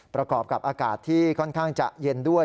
ประกอบกับอากาศที่ค่อนข้างจะเย็นด้วย